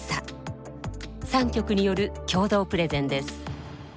３局による共同プレゼンです。